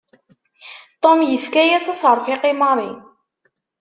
Tom yefka-yas aseṛfiq i Mary.